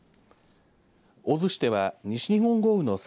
大洲市では西日本豪雨の際